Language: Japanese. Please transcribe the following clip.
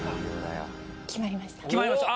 決まりましたか？